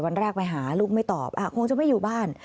วันแรกไปหาลูกไม่ตอบคงจะไม่อยู่บ้าน